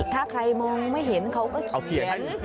ถ้าใครมองไม่เห็นเขาก็เขียนเอาเขียนให้